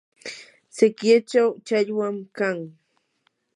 sikyachaw challwam kan.